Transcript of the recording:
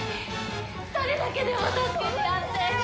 ２人だけでも助けてやって！